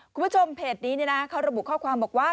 คุณผู้ชมเพจนี้เขาระบุข้อความบอกว่า